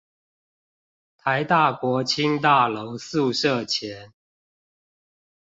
臺大國青大樓宿舍前